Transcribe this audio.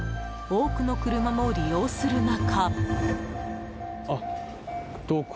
多くの車も利用する中。